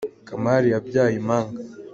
Kamari yabyaye imanga.